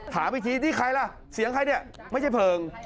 ถามอีกทีนี่ใครล่ะเสียงใครเนี่ยไม่ใช่เพลิง